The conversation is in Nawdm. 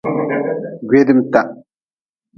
Gweedmta.